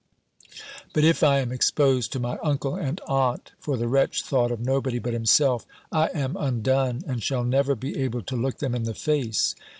But if I am exposed to my uncle and aunt" (for the wretch thought of nobody but himself), "I am undone, and shall never be able to look them in the face.